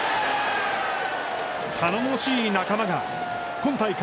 頼もしい仲間が今大会